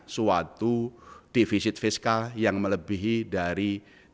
suatu divisit fiskal yang melebihi dari tiga